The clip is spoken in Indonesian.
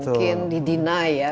atau mungkin di deny ya